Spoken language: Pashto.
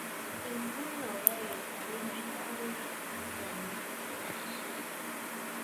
انسان او غیر انساني حشراوې زیانمن کېدای شي.